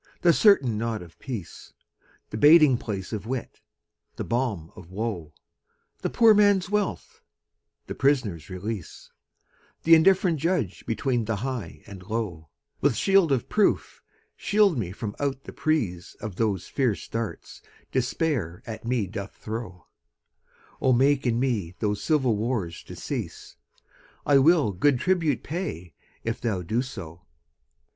the certain knot of peace, The baiting place of wit, the balm of woe, The poor man's wealth, the prisoner's release, Th' indifferent judge between the high and low; With shield of proof, shield me from out the preaseOf those fierce darts Despair at me doth throw:O make in me those civil wars to cease;I will good tribute pay, if thou do so.